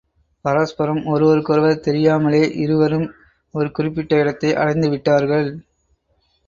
பரஸ்பரம் ஒருவருக்கொருவர் தெரியாமலே இருவரும் ஒரு குறிப்பிட்ட இடத்தை அடைந்து விட்டார்கன்.